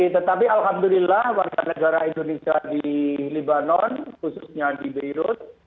tetapi alhamdulillah warga negara indonesia di libanon khususnya di beirut